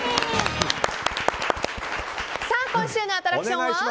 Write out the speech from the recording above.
今週のアトラクションは。